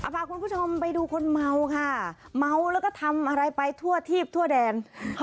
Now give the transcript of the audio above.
พาคุณผู้ชมไปดูคนเมาค่ะเมาแล้วก็ทำอะไรไปทั่วทีพทั่วแดน